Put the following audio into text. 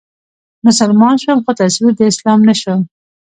مسلمان شوم خو تصوير د اسلام نه شوم